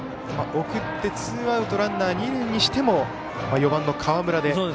送って、ツーアウトランナー、二塁にしても４番、河村で。